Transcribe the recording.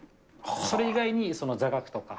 それ以外に座学とか。